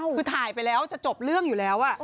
คือถ่ายไปแล้วจะจบเรื่องอยู่แล้ว